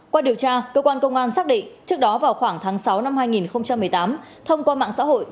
qua điều tra cơ quan công an xác định trước đó vào khoảng tháng sáu năm hai nghìn một mươi tám thông qua mạng xã hội